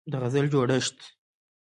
د غزل جوړښت